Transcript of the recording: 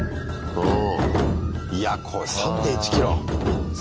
うん。